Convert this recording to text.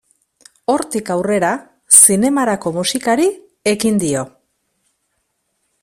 Hortik aurrera zinemarako musikari ekin dio.